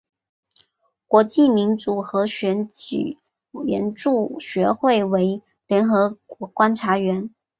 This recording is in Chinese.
国际民主和选举援助学会为联合国观察员。